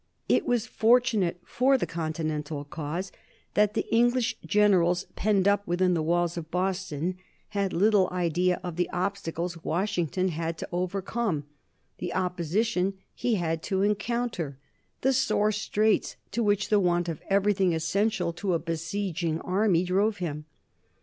It was fortunate for the Continental cause that the English generals, penned up within the walls of Boston, had little idea of the obstacles Washington had to overcome, the opposition he had to encounter, the sore straits to which the want of everything essential to a besieging army drove him.